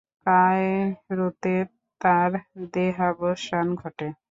কায়রোতে তার দেহাবসান ঘটে।